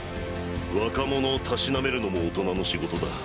若者をたしなめるのも大人の仕事だ。